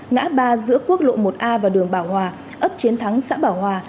ngã ba giữa quốc lộ một a và đường bảo hòa ấp chiến thắng xã bảo hòa